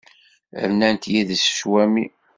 Rnant yid-s cwami.